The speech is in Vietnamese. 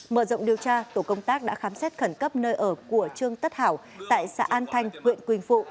mở rộng điều tra tổ công tác đã khám xét khẩn cấp nơi ở của trương tất hảo tại xã an thanh huyện quỳnh phụ